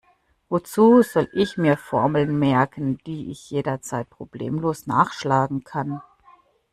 Wozu soll ich mir Formeln merken, die ich jederzeit problemlos nachschlagen kann?